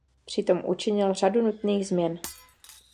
Přitom učinil řadu nutných změn.